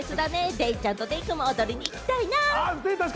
デイちゃんとデイくんも踊りに行きたいな。